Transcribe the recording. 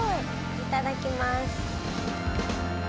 いただきます。